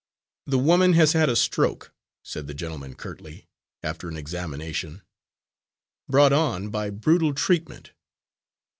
"The woman has had a stroke," said that gentleman curtly, after an examination, "brought on by brutal treatment.